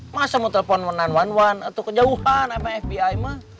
masa mau telepon satu ratus sebelas atau kejauhan sama fbi mah